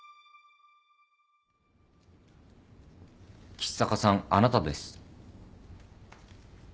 橘高さんあなたです。